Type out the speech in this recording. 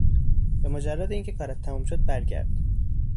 به مجرد اینکه کارت تمام شد برگرد.